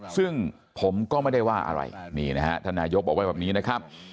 ซึ่งผมก็ไม่ได้ว่าอะไรนี่นะฮะท่านนายกบอกไว้แบบนี้นะครับ